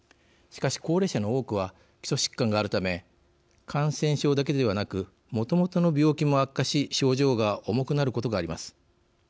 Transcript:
しかし、高齢者の多くは基礎疾患があるため感染症だけではなくもともとの病気も悪化し症状が重くなることがあります。